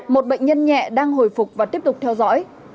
một bệnh nhân nhẹ đang hồi phục và tiếp tục theo dõi